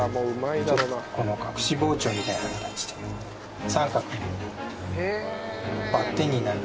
ちょっと隠し包丁みたいな形で三角にバッテンになる